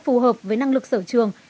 phù hợp với năng lực sở trường